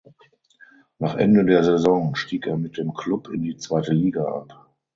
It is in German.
Nach Ende der Saison stieg er mit dem Club in die zweite Liga ab.